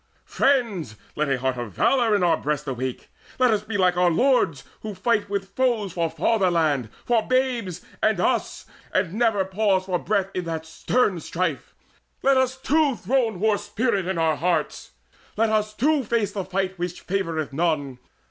"Friends, let a heart of valour in our breasts Awake! Let us be like our lords, who fight With foes for fatherland, for babes, for us, And never pause for breath in that stern strife! Let us too throne war's spirit in our hearts! Let us too face the fight which favoureth none!